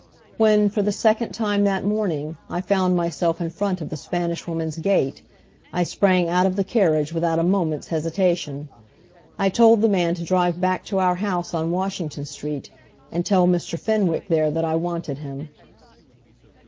When, for the second time that morning, I found myself in front of the Spanish Woman's gate, I sprang out of the carriage without a moment's hesitation. I told the man to drive back to our house on Washington Street and tell Mr. Fenwick there that I wanted him.